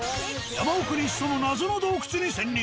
山奥に潜む謎の洞窟に潜入。